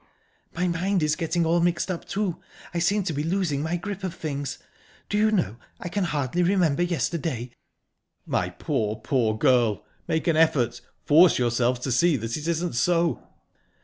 "My mind is getting all mixed up, too. I seem to be losing my grip of things...Do you know, I can hardly remember yesterday?" "My poor, poor girl! Make an effort. Force yourself to see that it isn't so."